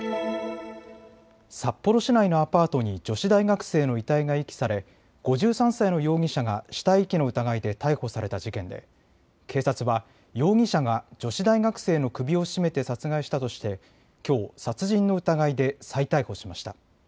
札幌市内のアパートに女子大学生の遺体が遺棄され５３歳の容疑者が死体遺棄の疑いで逮捕された事件で警察は容疑者が女子大学生の首を絞めて殺害したとしてきょう殺人の疑いで再逮捕しました。